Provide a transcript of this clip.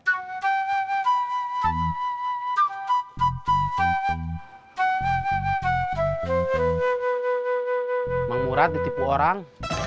emang murah ditipu orang